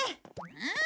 うん。